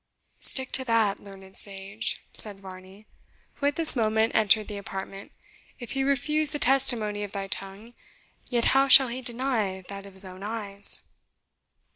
"Stick to that, learned sage," said Varney, who at this moment entered the apartment; "if he refuse the testimony of thy tongue, yet how shall he deny that of his own eyes?"